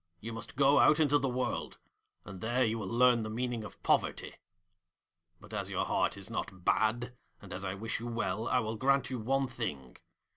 You must go out into the world, and there you will learn the meaning of poverty. But as your heart is not bad, and as I wish you well, I will grant you one thing.